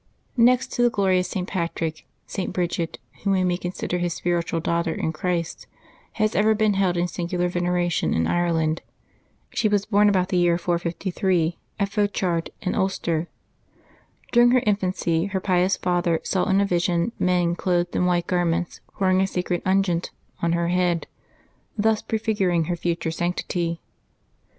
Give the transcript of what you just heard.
DEXT to the glorious St. Patrick, St. Bridgid, whom we may consider his spiritual daughter in Christ, has ever been held in singular veneration in Ireland. She was born about the year 453, at Pochard in Ulster. Dur ing her infanc}^ her pious father saw in a vision men clothed in white garments pouring a sacred unguent on her head, thus prefiguring her future sanctity.